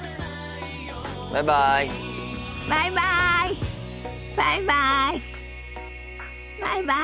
バイバイ。